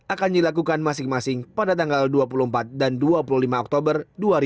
akan dilakukan masing masing pada tanggal dua puluh empat dan dua puluh lima oktober dua ribu dua puluh